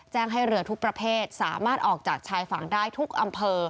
ให้เรือทุกประเภทสามารถออกจากชายฝั่งได้ทุกอำเภอ